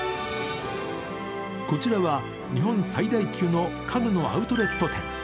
こちらは日本最大級の家具のアウトレット店。